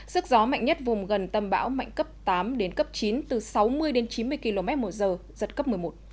sức gió mạnh nhất vùng gần tâm bão mạnh cấp tám đến cấp chín từ sáu mươi đến chín mươi km một giờ giật cấp một mươi một